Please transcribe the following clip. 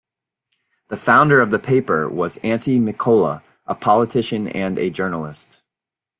The founder of the paper was Antti Mikkola, a politician and a journalist.